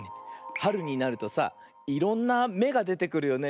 はるになるとさいろんなめがでてくるよね。